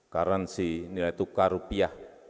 karansi nilai tukar rupiah